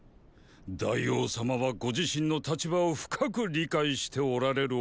大王様はご自身の立場を深く理解しておられるお方だ。